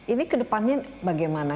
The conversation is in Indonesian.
ini ke depannya bagaimana